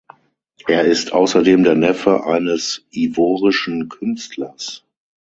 Er ist außerdem der Neffe eines ivorischen Künstlers.